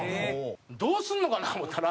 どうするのかな思ったら。